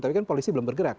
tapi kan polisi belum bergerak